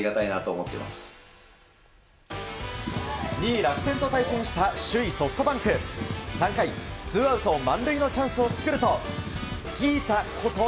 ２位、楽天と対戦した首位ソフトバンク。３回、ツーアウト満塁のチャンスを作るとギータこと